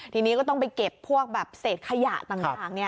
ทีนี้ก็ต้องไปเก็บพวกแบบเศษขยะต่าง